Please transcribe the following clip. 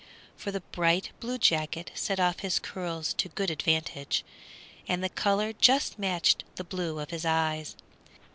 For the bright blue jacket set off his curls to good advantage, and the color just matched the blue of his eyes.